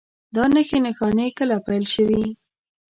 دا نښې نښانې کله پیل شوي؟